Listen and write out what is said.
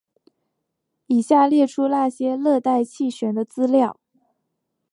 以下列出那些热带气旋的资料。